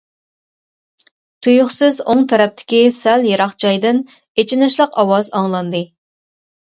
تۇيۇقسىز ئوڭ تەرەپتىكى سەل يىراق جايدىن ئېچىنىشلىق ئاۋاز ئاڭلاندى.